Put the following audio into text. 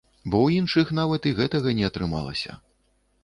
Бо ў іншых нават і гэтага не атрымалася.